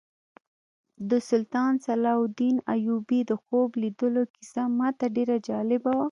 د سلطان صلاح الدین ایوبي د خوب لیدلو کیسه ماته ډېره جالبه وه.